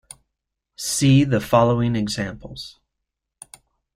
See the following examples.